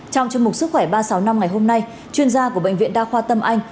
trong chương mục sức khỏe ba trăm sáu mươi năm ngày hôm nay chuyên gia của bệnh viện đa khoa tâm anh